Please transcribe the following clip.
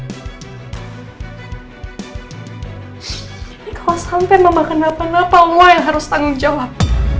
ini kalo sampe mama kenapa napa allah yang harus tanggung jawab